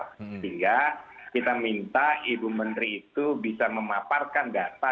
sehingga kita minta ibu menteri itu bisa memaparkan data